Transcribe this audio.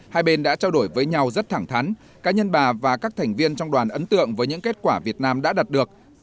hai bên đã trao đổi với nhau rất thẳng thắn cá nhân bà và các thành viên trong đoàn ấn tượng với những kết quả việt nam đã đạt được